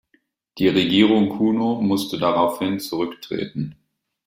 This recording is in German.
Die Regierung Cuno musste daraufhin zurücktreten.